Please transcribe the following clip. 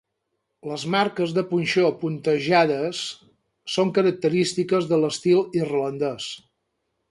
Les marques de punxó puntejades són característiques de l'estil irlandès.